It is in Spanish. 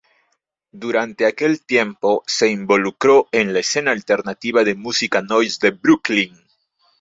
Durante aquel tiempo, se involucró en la escena alternativa de música noise de Brooklyn.